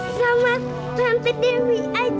eh ketemu sama tante dewi aja